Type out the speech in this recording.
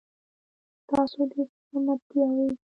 په تاسو دې سلامتيا وي.